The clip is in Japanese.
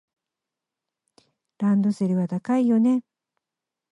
ランドセルは高いよね。